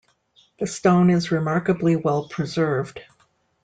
The stone is remarkably well preserved.